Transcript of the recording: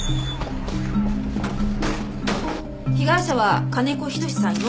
被害者は金子仁さん４８歳。